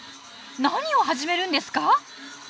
何を始めるんですか？